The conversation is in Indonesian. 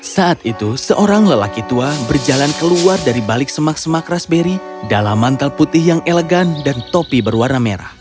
saat itu seorang lelaki tua berjalan keluar dari balik semak semak raspberry dalam mantel putih yang elegan dan topi berwarna merah